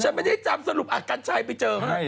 ไม่ได้จำสรุปอ่ะกัญชัยไปเจอให้